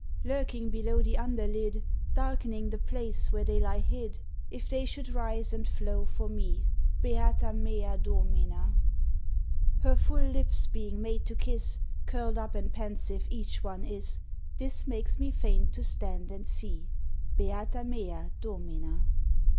_ Lurking below the underlid, Darkening the place where they lie hid: If they should rise and flow for me! Beata mea Domina! Her full lips being made to kiss, Curl'd up and pensive each one is; This makes me faint to stand and see. _Beata mea Domina!